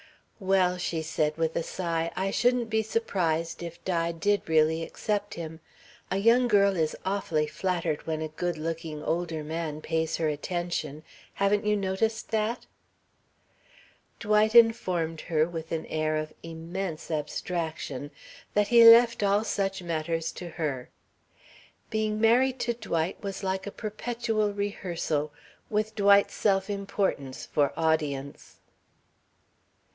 "Well," she said with a sigh, "I shouldn't be surprised if Di did really accept him. A young girl is awfully flattered when a good looking older man pays her attention. Haven't you noticed that?" Dwight informed her, with an air of immense abstraction, that he left all such matters to her. Being married to Dwight was like a perpetual rehearsal, with Dwight's self importance for audience.